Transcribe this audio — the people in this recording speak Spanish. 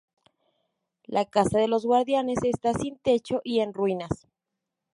La casa de los guardianes está sin techo y en ruinas.